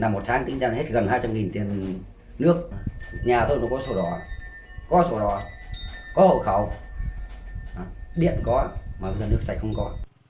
một tháng tính ra hết gần hai trăm linh nghìn tiền nước nhà tôi có sổ đỏ có hộ khẩu điện có mà bây giờ nước sạch không có